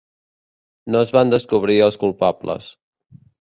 No es van descobrir els culpables.